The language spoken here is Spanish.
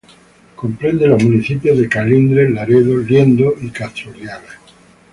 Comprende los municipios de Colindres, Laredo, Liendo y Castro Urdiales.